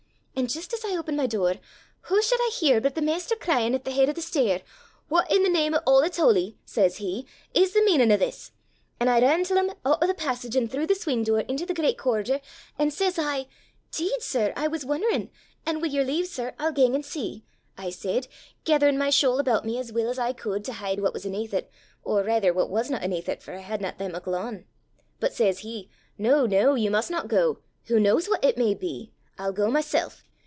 An' jist as I opened my door, wha should I hear but the maister cryin' at the heid o' the stair, 'What i' the name o' a' that's holy,' says he, 'is the meanin' o' this?' An' I ran til him, oot o' the passage, an' throuw the swing door, into the great corridor; an' says I, ''Deed, sir, I was won'erin'! an' wi' yer leave, sir, I'll gang an' see,' I said, gaitherin' my shawl aboot me as weel as I could to hide what was 'aneth it, or raither what wasna 'aneth it, for I hadna that mickle on. But says he, 'No, no, you must not go; who knows what it may be? I'll go myself.